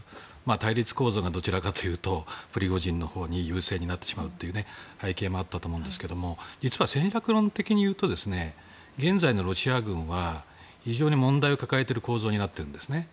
対立構造がどちらかというとプリゴジンのほうに優勢になってしまう背景があったと思うんですが実は戦略論的にいうと現在のロシア軍は非常に問題を抱えている構造になっているんですね。